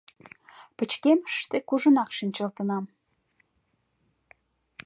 Пычкемышыште кужунак шинчылтынам.